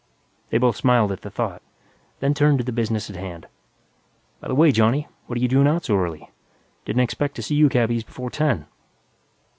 They both smiled at the thought, then turned to the business at hand. "By the way, Johnny, what're you doing out so early? Didn't expect to see you cabbies before ten."